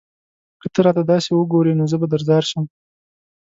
که ته راته داسې وگورې؛ نو زه به درځار شم